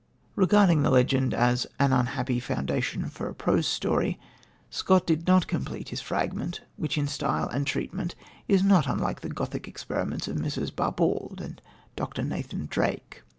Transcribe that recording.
Regarding this legend as "an unhappy foundation for a prose story," Scott did not complete his fragment, which in style and treatment is not unlike the Gothic experiments of Mrs. Barbauld and Dr. Nathan Drake.